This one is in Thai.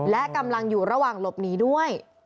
และกำลังอยู่ระหว่างหลบหนีด้วย